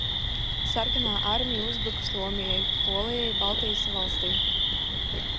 Sarkanā armija uzbruka Somijai, Polijai, Baltijas valstīm.